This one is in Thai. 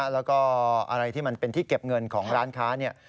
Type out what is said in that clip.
แล้วก็อะไรที่มันเป็นที่เก็บเงินของร้านค้าเนี่ย